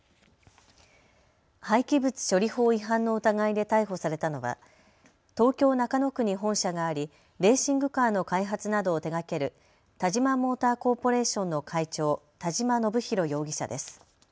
廃棄物処理法違反の疑いで逮捕されたのは東京中野区に本社がありレーシングカーの開発などを手がけるタジマモーターコーポレーションの会長、田嶋伸博容疑者です。